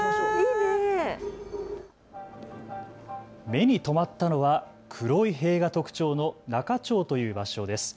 目に留まったのは黒い塀が特徴の中町という場所です。